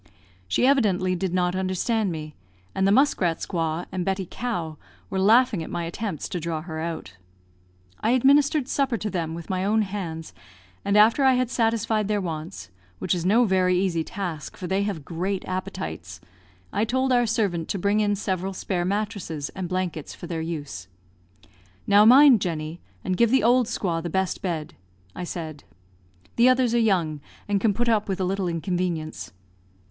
She evidently did not understand me; and the Muskrat squaw, and Betty Cow, were laughing at my attempts to draw her out. I administered supper to them with my own hands, and after I had satisfied their wants (which is no very easy task, for they have great appetites), I told our servant to bring in several spare mattresses and blankets for their use. "Now mind, Jenny, and give the old squaw the best bed," I said; "the others are young, and can put up with a little inconvenience."